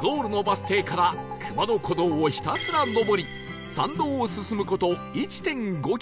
ゴールのバス停から熊野古道をひたすら上り参道を進む事 １．５ キロ